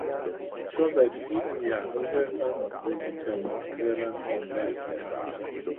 Schon seit vielen Jahrhunderten sind die Thermalquellen von Les bekannt.